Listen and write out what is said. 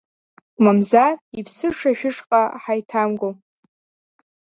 Мамзар, иԥсыша, шәышҟа ҳаиҭамго!